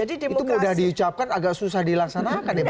itu mudah diucapkan agak susah dilaksanakan ya pak